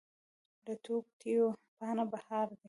له توتکیو پاته بهار دی